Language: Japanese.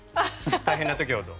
大変な時ほど。